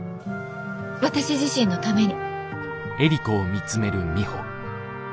私自身のために。